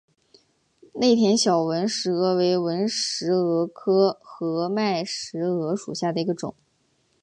内田小纹石蛾为纹石蛾科合脉石蛾属下的一个种。